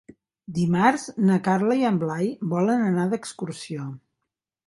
Dimarts na Carla i en Blai volen anar d'excursió.